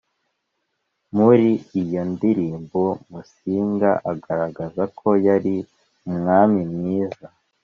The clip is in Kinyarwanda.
Muri iyo ndirimbo, Musinga agaragaza ko yari umwami mwiza